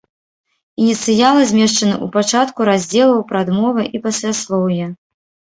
Ініцыялы змешчаны ў пачатку раздзелаў, прадмовы і пасляслоўя.